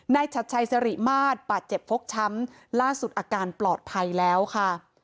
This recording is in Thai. ชัดชัยสริมาตรบาดเจ็บฟกช้ำล่าสุดอาการปลอดภัยแล้วค่ะ